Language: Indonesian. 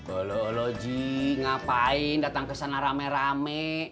ololoh ji ngapain datang ke sana rame rame